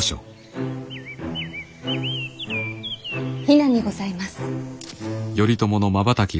比奈にございます。